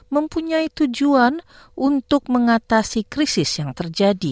mempunyai tujuan untuk mengatasi krisis yang terjadi